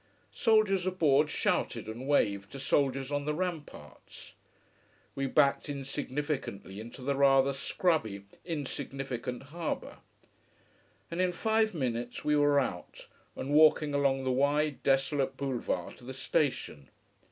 Soldiers aboard shouted and waved to soldiers on the ramparts. We backed insignificantly into the rather scrubby, insignificant harbour. And in five minutes we were out, and walking along the wide, desolate boulevard to the station.